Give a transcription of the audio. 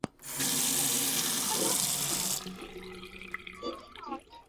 兰屿络石为夹竹桃科络石属下的一个种。